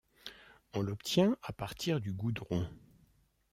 On l'obtient à partir du goudron.